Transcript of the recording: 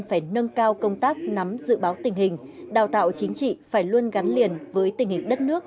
phải nâng cao công tác nắm dự báo tình hình đào tạo chính trị phải luôn gắn liền với tình hình đất nước